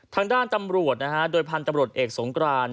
ทางด้านตำรวจนะฮะโดยพันธุ์ตำรวจเอกสงกราน